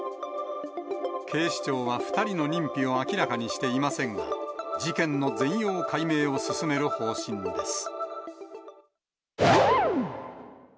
警視庁は２人の認否を明らかにしていませんが、事件の全容解明を進める方針です。